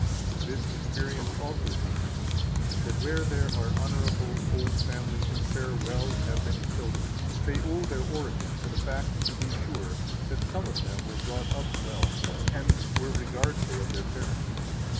138 Thus experience also teaches, that where there are honorable, old families who fare well and have many children, they owe their origin to the fact, to be sure, that some of them were brought up well and were regardful of their parents.